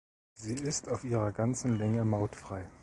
Sie ist auf ihrer ganzen Länge mautfrei.